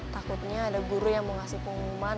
takutnya ada guru yang mau ngasih pengumuman